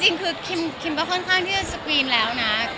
จริงคือคิมก็ค่อนข้างที่จะสกรีนแล้วนะ